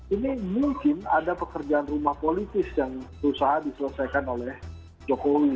ini mungkin ada pekerjaan rumah politis yang berusaha diselesaikan oleh jokowi